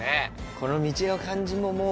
この道の感じももう。